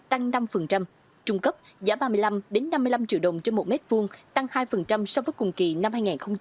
tăng năm trung cấp giá ba mươi năm năm mươi năm triệu đồng trên một mét vuông tăng hai so với cùng kỳ năm hai nghìn hai mươi hai